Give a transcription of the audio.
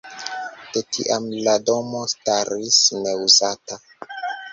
De tiam la domo staris neuzata.